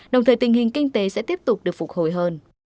đồng thời tình hình kinh tế sẽ tiếp tục được phục hồi hơn